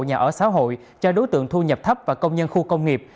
nhà ở xã hội cho đối tượng thu nhập thấp và công nhân khu công nghiệp